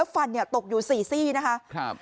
แฟนตกอยู่๔ซี่ฟนะค่ะ